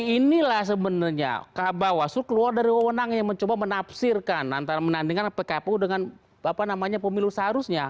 inilah sebenarnya kabar wasul keluar dari undang undang yang mencoba menafsirkan antara menandingkan pkpu dengan pemilu seharusnya